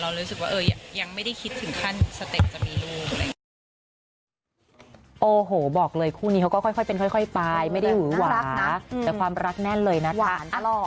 รู้สึกว่ายังไม่ได้คิดถึงขั้นสเต็ปจะมีลูกอะไรอย่างนี้